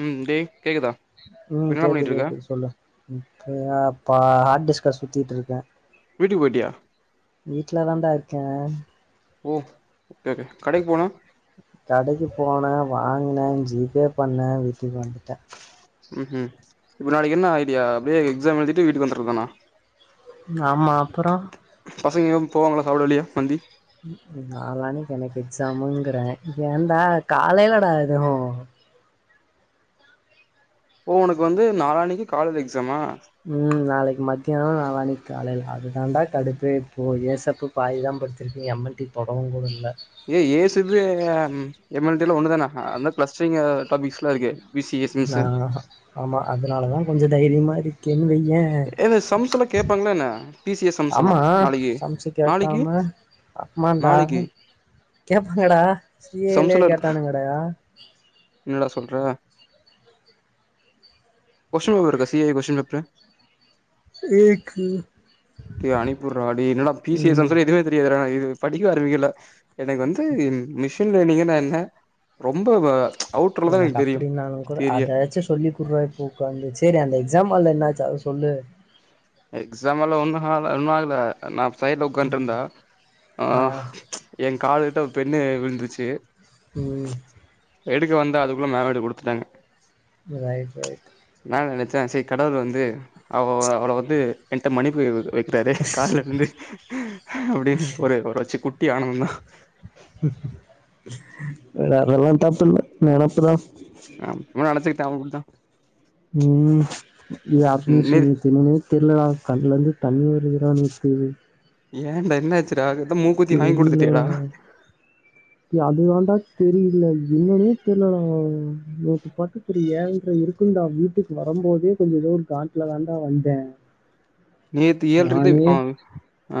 உம் டேய் கேக்குதா இப்ப உம் என்னடா பண்ணிட்டு கேக்குது இருக்க கேக்குது சொல்லு ப ஹாட்டிஸ்கஸ் சுத்திட்டு இருக்க வீட்டுக்கு போய்ட்டியா வீட்டு்லதான்டா இ க ஓஹ் கடைக்கு போனே வாங்கினே ஜிபே பண்ணே வீட்டுக்கு வந்துட்டே ம் ம் இப்ப நாளைக்கு என்ன ஐடியா அப்படியே எக்ஸாம் எழுதிட்டு வீட்டுக்கு வந்துடுறது தானா ஆமா அப்புற பசங்க எங்கயு போவாங்களா சாப்பிட வெளிய மந்தி நாளானைக்கு எனக்கு எக்ஸாமுங்கறே ஏன்டா காலையிலடா அதும் ஓ உனக்கு வந்து நாலானைக்கு காலேல எக்ஸாமா உம் நாளைக் மத்தியான நாளானைக்கு காலையில அது தாண்டா கடுப்பே போ ஏசப்பு பாதி தா படிச்சுருக்கு எம்என்டி தொடவுங் கூட இல்ல ஏய் ஏசிபி எம்என்டி எல்லா ஒண்ணுதானா அந்த கிளஸ்ட்ரிங்க டாபிக்ஸ்லா இருக்கே ஆஹ் ஆமா அதனாலதா கொஞ்சோ தைரியமா ஏ சம்ஸ் எல்லா கேப்பாங்களா என்ன பி சி எஸ் [unintelligible] சம்ஸ் எல்லா ஆமா நாளைக்கு சம்ஸ்சு நாளைக்கு கேக்காம அமான்டா நாளைக்கு கேப்பாங்கடா சி ஏ லயே சம்ஸ்லா இருக்கு கேட்டானுங்கடா என்னடா சொல்ற கொஸ்டின் பேப்பர் ருக்கா சி ஏ கொஸ்டின் பேப்ரு ஏக்கு டேய் அனுப்பிவிட்றா டேய் என்னடா பீஸேசன் ம் சொல்லி எதுவுமே தெரியாதுடா இது [unintelligible] படிக்க ஆரம்பிக்கல எனக்கு வந்து மிஷ் [unintelligible] நீங்கன்ன என்ன ரொம்ப ச் எனக்கு அப்பிடினாலும் கூட அத வச்சும் சொல்லி குடுறா இப்போ உக்காந்து சேரி எக்ஸாம் ஹால்ல என்னாச்சு அத சொல்லு எக்ஸாம் எல்லாம் ஒன்னும் ஒன்னும் ஆகுல நான் சைடுல ஒக்காந்துட்டுருந்த ஆ எங் காலு கிட்ட ஒரு பெண்ணு விழுந்துச்சு உம் எடுக்க வந்தா அதுக்குள்ள மேமடு கொடுத்துட்டாங்க ரைட் ரைட் நா என்ன நெனச்சே சேரி கடவுள் வந்து அவ அவள வந்து எங்கிட்ட வந்து மன்னிப்பு கேக்க வைக்கிறாரே காலைலே இருந்து அப்டின்னு ஒரு ஒருரச்சு கு தியானம்னா வேற அதெல்லாம் தப்பு இல்லே நெனப்பு தான் ஆ சும்மா நெனச்சுட் [unintelligible] உம் இ நேத் அட்மிஷன் [unintelligible] திருலலா கண்ணல இருந்து தண்ணி வருகிறான்னுக்கு ஏண்டா என்னாச்சு ராகுல் மூக்குத்தி வாங்கி குடுத்துட்டியேடா ஏ அது தாண்டா தெரில என்னன்னே தெர்லடா நேத்து பக்கத்துல ஏழ்ர இருக்குன்டா வீட்டுக்கு வரும்போதே கொஞ்சம் ஏதோ ஒரு காட்ல தாண்டா வந்தேன் நேத்து ஏழு இருக்கு த ஆ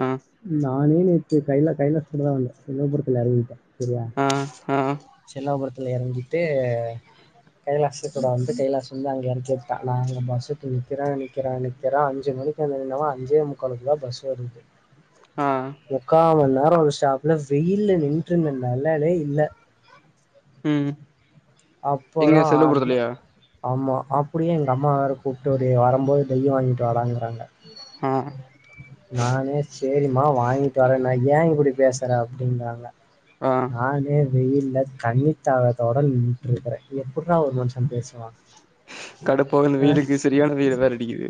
ஆஹ் நானேநேத்து கையில கையில சுட்டுதா வந்த [unintelligible] ஆஹ் ஆஹ் தல்லாபுரத்தில் இறங்கிட்டு கைலாஷ் கூட வந்து கைலாஷ் வந்து அங்கே இறக்கி விட்டான் நான் அங்க பஸ்ஸுக்கு நிற்கிறேன் நிற்கிறேன் நிற்கிறேன் அஞ்சு மணிக்கு வந்து நின்னவேன் அஞ்சே முக்காலுக்கு தான் பஸ் வருது ஆ முக்கா மண் நேரம் ஒரு ஸ்டாப்ல வெயில்ல நின்ருந்தேன்டா நல்லாவே இல்ல ம் எங்க அப்புறம் செல்வபுரத்துலயா ஆமா அப்டியே எங்க அம்மாவேற கூப்ட்டு ஒரு வரும்போது டை வாங்கீட்டு வாடாங் நாங்க ஆ நானே சேரிம்மா வாங்கி தரேன்னே ஏன் இப்டி பேச அது அப்டின்றாங்க ஆ நானே வெயில்ல தண்ணித்தாகதோட நின் இருக்கிறே எப்டிர்ரா ஒரு மனுஷன் பேசுவா கடுப்பாகுது இந்த வெயிலுக்கு சரியான வெயில வேற அடிக்குது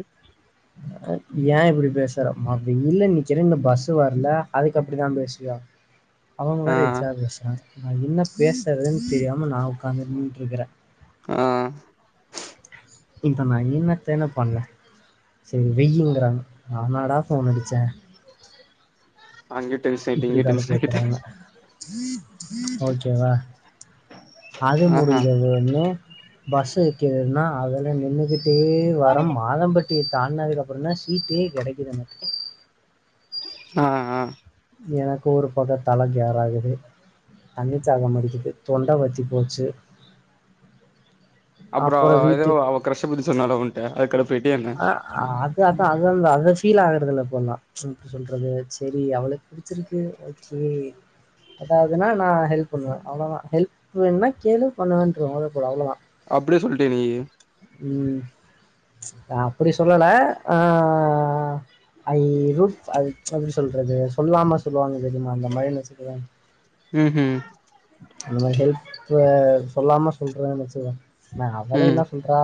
ஏ இப்டி பேசறமா அப்டி இல்ல நிக்கிற இன்னு பஸ் வரல அதுக்கு அப்டிதாம் பேசுவியா அவங்க ஆ வேற எக்ஸ்ட்ரா பேசுறாங்க நா என்ன பேசறதுன் தெரியாம நா உக்காந்து நின்னுட்ருக்கறே ஆ இப்ப நா என்ன என்ன பண்ண சேரி வெய்ங்றாங்க நா நாடா போன் அடிச்சே அங்க டென்ஷன் ஆயிட்டு இங்க டென்ஷன் ஆகீட்டு கடுப்பேத்துறாங்க. [inaudible] ஓகேவா அது ஆஹா முடிஞ்சது ஒன்னு பஸ் வக்கிறன்னா அதுஎல்லா நின்னுகிட் இதே வாரம் மாதம்பட் ட்டிய தாண்ட்னதுக்கு அப்ரோந்தா சீட்டே கடைக்குது எனக்கு ஆ ஆ எனக்கு ஒரு பக்க தல கேர் ஆகுது தண்ணி தாக மடிக்குது தொண்ட வத்தி போச்சு அப்றோ அவ அப்புறம் ஏதோ வீட்டுக்கு அவ க்ரஷ்ஸ பத்தி சொன்னாலோ உன் ஆ அது அந் அது அந்த அத ஃபீல் ஆகறதில்ல இப்பொல்லா ப்ச் ப்டி சொல்றது செரி அவளுக் புடிச்சிருக்கு ஓகே எதாவுதுன்னா நா ஹெல்ப் பண்ணுவே அவ்ளோதா ஹெல்ப்பு வேணுன்னா கேளு பண்ணுவேன்றுவே [unintelligible] அவ்ளதா அப்டியே சொல்ட்டயா நீ அப்டி சொல்லல ஆ ஐ ரூப் ஆ எப்டி சொல்றது சொல்லாம சொல்வாங்க தெரியுமா அந்த மாதிரின்னு வச்சுக்கோயே ம் ஹூம் அந்த மாரி ஹெல்ப் ஆ சொல்லாம சொல்றேன் நெனச்சிக நா அவளே ம் என்ன சொல்றா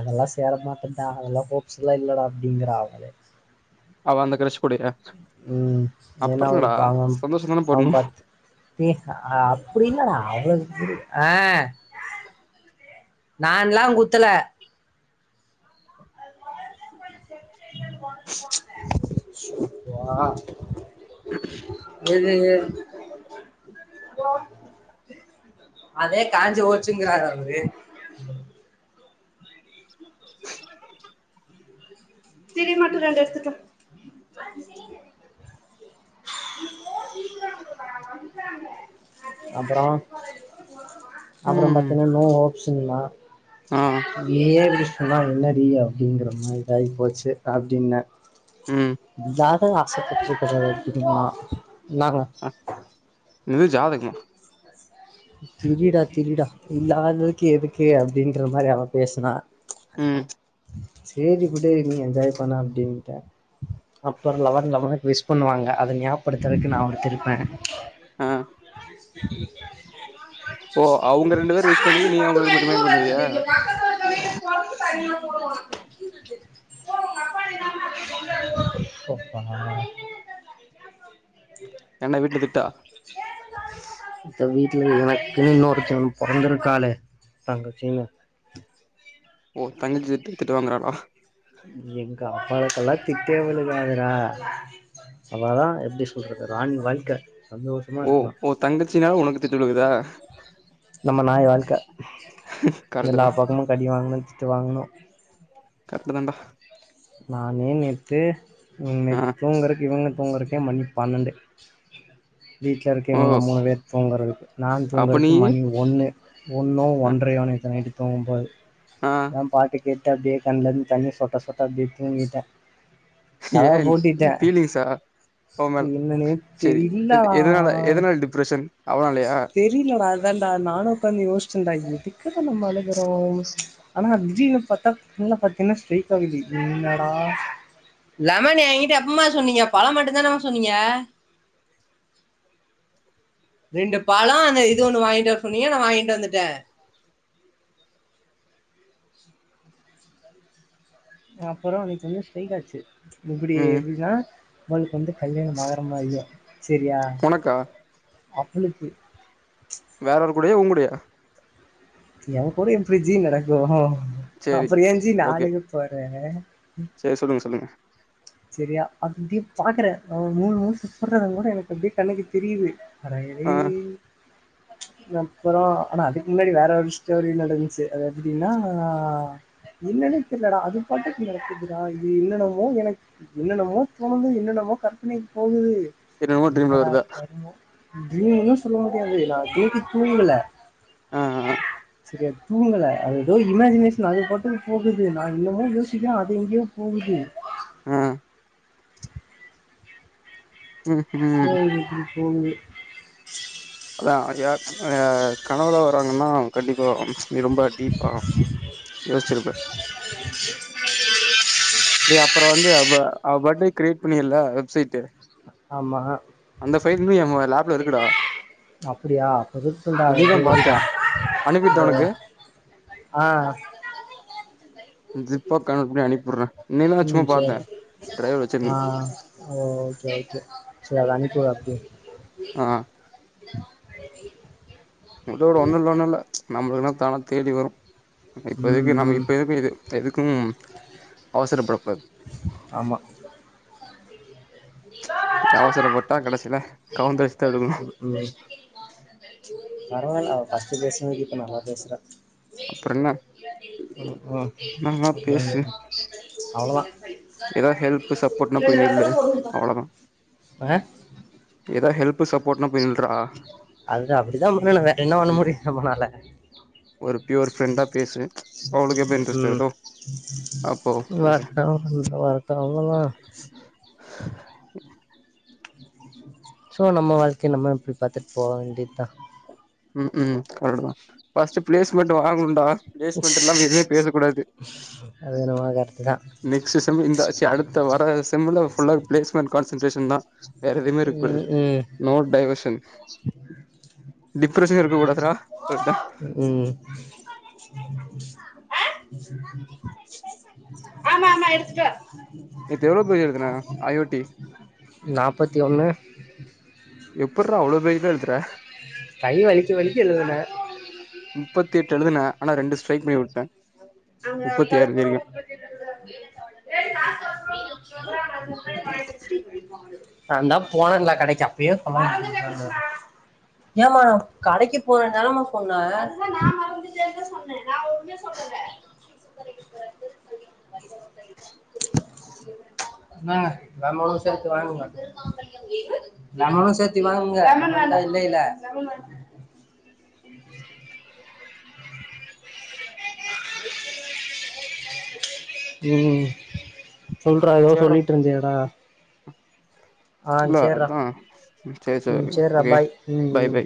அதெல்லா சேர மாட்டே டா அதெல்லா ஹோப்ஸ்லா இல்லடா அப்டிங்கற அவளே அவ அந்த க்ரஷ ம் ஏன்னா என்னடா ஒருப்ப அவன் சந்தோஷந்தான அவன் பட்ணு பத் பத்து ஆ அப்டில்லடா அவளுக் புரிய ஆ நான்ல்லாம் குத்தல [inaudible] ஷாப்ப்பா [inaudible] எது.. அதே காஞ்சி போச்சுங்கிறாரு அவரு திரி மட்டும் ரெண்டு எடுத்துட்டு வா [inaudible] ஸ்ஸ்ஸ்.. போ சீக்கிரம் அவங்க வந்துட்டாங்க அப்புறம் அப்புறம் ம் பத்தீன்னா நோக் செய்லாம் ஆ ஏ பிஷ் சொன்னா என்ன டி அப்படிங்குற மாரி இதாகி போச்சு அப்படின்ன ம் இதாது ஆசைப்பட்ருக்கது முடியுமா என்னாகும் இது ஜாதக்மா திருடா திருடா இல்லாதக்கு எதுக்கு அப்டின்ற மாரி அவ பேசுனா ம் சேரி உடு நீ என்ஜாய் பண்ணு அப்டின்ட்ட அப்பற லெவன் லெவனுக்கு விஷ் பண்ணுவாங்க அத ஞாப்படுத்துறக்கு நா அவர்கிருப்பே ஆ ஓ அவுங்க ரெண்டு பேர் விஷ் பண்ணி நீ அவுங்களுக்கு ம ரிமைண்ட் பண்ணுவியா போ ஒங்க அப்பா நின்னாருன்னா அப்டியே [unintelligible] அப்பப்பா [inaudible] என்ன வீட்ல திட்டா தவி து எனக்குனு ஒருத்தி பொறந்துருக்காலே தங்கச்சின்னு ஓ தங்கச்சிட்ட திட்டு வாங்கறார்றா எங்க அப்பாவக்கெல்லா திட்டேவுலுகாது டா அவதா எப்டி சொல்றது ராணி வாழ்க்க ஓ சந்தோஷமாருக்லா ஓ தங்கச்சினால உனக்கு திட்டு விழுகுதா நம்ம நாய் வாழ்க்க கரெக்ட்டு எல்லா தா பக்கமு கடி வாங்னு திட் டு வாங்கணு கரெட்டுதாண்டா நானே நேத்து ம் நேத்து ஆ தூங்கறக்கு இவுங்க தூங்கறக்கே மணி பன்னெண்டு வீட்ல இருக்க ஓ இவுங்க மூணு பேர் தூங்குறதுக்கு நா அப்ப தூங்கறக்கு நீயி மணி ஒன்னு ஒன்னோ அ ஒன்றயோனு நேத்து நைட்டு சாம்பல் ஆ நா பாட்டு கேட் தப்டியே கண்லந் தண்ணி சொட்ட சொட் தட்டி தூங்கிட்டே கதவ ஏன் பூட்டிட்டே ஃபீலிங்ஸா அவ மேல் என்னன்னே சேரி எ தெரிலடா எதனால எதனால் டிப்ரெஷன் அவனாலயா தெரிலடா அதான்டா நானு உக்காந்து யோசுச்சன்டா இது திக்க நம்ம அழுகுறோ ஆனா ஜீவ் ல பாத்தா ஃபுல்லா பாத்தின்னா ஸ்ட்ரய்ட்டா [unintelligible] என்னடா லெமன் எங்கிட்ட எப்பம்மா சொன்னீங்க பழம் மட்டுந்தானமா சொன்னீங்க ரெண்டு பழோ அந்த இது ஒண்ணு வாங்கிட்டு வர சொன்னீங்க நா வாங்கிட்டு வந்துட்டே அப்பறோ நேத்து வந்து ஸ்ட்ரைகாச்சு இப்புடி ம் எப்பிட்னா அவளுக்கு வந்து கல்யாணமாகுற மாரிதா சேரியா உனக்கா அப் அவளுக்கு வேறொரு கூடயா உங்கூடயா எங் கூட எப்ரிஜி நடக்கூ சேரி அப்பறயேஞ்ஜி ஓகே நாளைக்கு போறே சேரி சொல்லுங்க சொல்லுங்க செரியா அப்டியே பாக்கறே அவ மூணு முட்சு போட்றது கூட எனக்கு அப்டியே கண்ணுக்கு தெரியுது அட‌ ஆ ஏய் அப்பறோ அனா அதுக் முன்னாடி வேற ஒரு ஸ்டோரி நடந்ச்சு அது எப்புடின்னா என்னன்னே தெர்லடா அது பாட்டுக் நடக்குதுடா இது என்னன்னமோ எனக் என்னென்னமோ தோணுது என்னென்னமோ கற்பனைக் போகுது [unintelligible] வருதா தூன்னும் சொல்ல [unintelligible] தூங்கல ஆ செரிய தூங்கல அத ஏதோ இமேஜினேஷன் அது பாட்டுக் போகுது நா என்னமோ யோசிக்கிறே அது எங்கேயோ போகுது ஆ ம் ம் செரி நீ போய் தூங்கு தா கனவுல வராங்கன்னா கண்டிப்பா நீ ரொம்ப டீப்பா யோசிச்சிருப்பே நீ அப்பறோ வந்து அவ அவ டி கிரியேட் பண்ணியில வெப்சைட் ஆமா அந்த ஃபைல் இன்னு எ லேப்ல இருக்குடா அப்பிடியா இன்னிக்குதா பாத்தே அனுப்பிட்டா உனக்கு [inaudible] ஆ ஜிப்பா கணக்கு பண்ணி அனுப்பிவிடர ம் செர்டா ஆ ஓ ஓகே ஓகே அத அனுப்பிவிடு அப்டியே ஆ உடு உடு ஒண்ணு இல்ல ஒண்ணு இல்ல நம்மள்துனா தானா தேடி வரு ம் இப்பதிக்கி நம்ம ம் இப்பதுக்குது எதுக்கும் அவசர படக்கூடாது ஆமா இப்ப அவசர பட்டா கடைசியில கவுந்தடுச்சு தா விழுகணு ம் பரவல ஃபஸ்ட் பேசுனதுக்கு இப்ப நல்லா பேசறா அப்பறேன்னே [inaudible] பேசு அவ்ளோதா எதா ஹெல்ப் சப்போர்ட்ன்னா போய் நில்லு போடுங்கப்பா அவ்ளோதா ஆ எதா ஹெல்ப் சப்போர்ட்னா போயி நில்றா அது அப்படித்தா பண்ணணுங்க என்ன பண்ண ம் முடியு நம்ம நாள [unintelligible] ஒரு ஃப்ரெண்டா பேசுணே ம் அப்போ பேசு [unintelligible] [unintelligible] [inaudible] சோ நம்ம வாழ்க்கைய நம்ம எப்டி பாத்துட்டு போ வேண்டியதுதா ம் ம் அவ்ளோதா ஃபஸ்ட் பிளேஸ்மெட் வாங்கணுடா பிளேஸ்மெட் இல்லாம எதுவுமே பேசக் கூடாது அது நம்ம கரெக்டு தான் நெக்ஸ்ட் செம்ல இந்தா ச ஆ, அடுத்த வர செம்ல ஃபுல்லா பிளேஸ்மெண்ட் காட் சென்ரேஷன் தான் வேற எதுவுமே இருக்ககூடாது ம், ம், நோ டைவர்ஷன் பிரச்சன இருக்க கூடாதுடா சொல்லிட உம் ஆமா ஆமா எடுத்துட்டு வா நேத்து எவ்ளோ பேஜ் எழுதுன ஐ ஓ டி நாப்பத்தி ஒண்ணு எப்புற அவ்ளோ [unintelligible] எழுதுற கை வலிக்க வலிக்க எழுதுனே எழுதுன ஆனா ரெண்டு ஸ்ட்ரைக் பண்ணி விட்டேன் அங்க கழுவுர [inaudible] நாந்தா போனேன்ல கடைக்கு அப்பயே சொல்ல வேண்டியது மறந்துட்டே கிருஷ்ணா ஏமா கடைக்கு போனேன்னுதானம்மா சொன்னே அதுதா நா மறந்துட்டேன் தா சொன் நா உன்னய சொல்லல என்னங்க நம்மளு சேர்த்து வாங்குங்க லெமனு சேர்த்து வாங்குங்க லெமன் வேண்ட அதா இல்லயில்லேல்ல உம் சொல்றா ஏதோ சேர்றா சொல்லிட்டு இருந்தேயேடா இல்ல அதா சரி ம் சரி சரிடா ஓகே பாய் ம் பை ம் பை